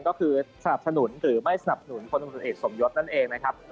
ก็คือสนับสนุนหรือไม่สนับสนุนคนตำรวจเอกสมยศนั่นเองนะครับ